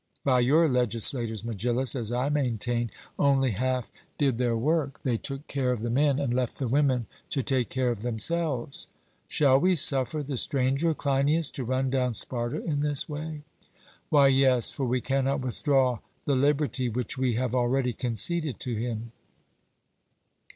But your legislators, Megillus, as I maintain, only half did their work; they took care of the men, and left the women to take care of themselves. 'Shall we suffer the Stranger, Cleinias, to run down Sparta in this way?' 'Why, yes; for we cannot withdraw the liberty which we have already conceded to him.'